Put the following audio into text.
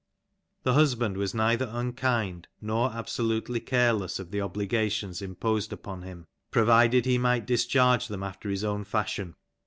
The husband was neither unkind nor absolutely careless of the obli gations imposed upon him, provided he might discharge them after his own fashion.